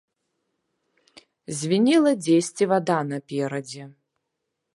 Звінела дзесьці вада наперадзе.